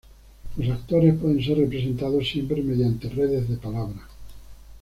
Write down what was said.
Los actores pueden ser representados siempre mediante redes de palabras.